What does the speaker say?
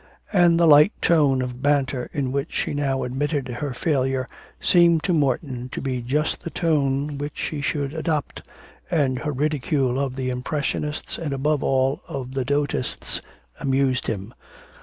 And the light tone of banter in which she now admitted her failure seemed to Morton to be just the tone which she should adopt, and her ridicule of the impressionists and, above all, of the dottists amused him.